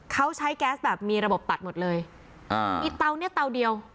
เขาใช้แก๊สแบบมีระบบตัดหมดเลยอ่ามีเตาเนี้ยเตาเดียว